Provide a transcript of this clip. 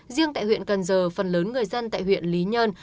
riêng tại huyện cần giờ phần lớn người dân tại huyện lý nhân